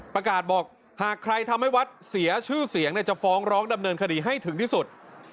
ประกาศบอกหากใครทำให้วัดเสียชื่อเสียงจะฟ้องร้องดำเนินคดีให้ถึงที่สุด